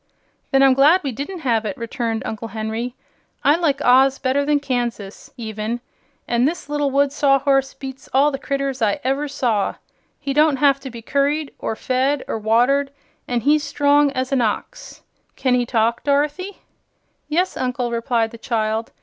"Then I'm glad we didn't have it," returned Uncle Henry. "I like Oz better than Kansas, even; an' this little wood Sawhorse beats all the critters I ever saw. He don't have to be curried, or fed, or watered, an' he's strong as an ox. Can he talk, Dorothy?" "Yes, Uncle," replied the child.